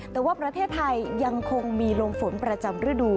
แต่ว่าประเทศไทยยังคงมีลมฝนประจำฤดู